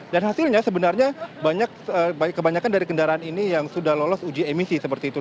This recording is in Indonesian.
dan hasilnya sebenarnya kebanyakan dari kendaraan ini yang sudah lolos uji emisi seperti itu